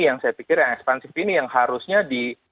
yang saya pikir yang ekspansif ini yang harusnya di